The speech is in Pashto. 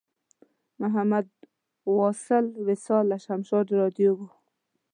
محمد واصل وصال له شمشاد راډیو و.